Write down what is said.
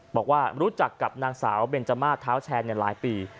บอกว่ารู้จักกับนางสาวเบนจมาเท้าแชร์ในหลายปี